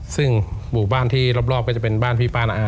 ซึ่งหมู่บ้านที่รอบก็จะเป็นบ้านพี่ป้าน้า